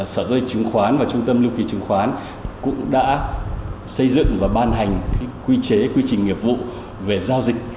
sở dự trứng khoán và trung tâm lưu kỳ chứng khoán cũng đã xây dựng và ban hành quy chế quy trình nghiệp vụ về giao dịch